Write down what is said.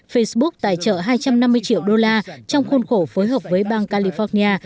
facebook tài trợ hai trăm năm mươi triệu đô la trong khuôn khổ phối hợp với bang california